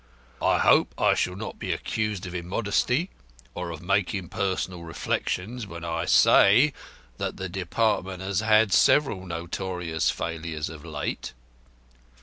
I hope I shall not be accused of immodesty, or of making personal reflections, when I say that the Department has had several notorious failures of late.